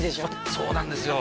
そうなんですよ